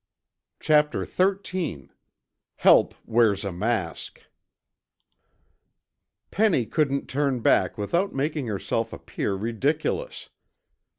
Chapter XIII HELP WEARS A MASK Penny couldn't turn back without making herself appear ridiculous.